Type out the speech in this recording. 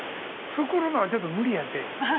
◆作るのは、ちょっと無理やて。